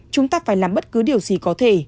chúng ta phải làm bất cứ điều gì có thể